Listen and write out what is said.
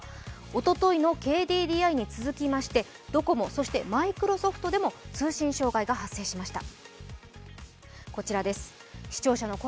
おとといのＫＤＤＩに続きましてドコモ、マイクロソフトでも通信障害が発生しました。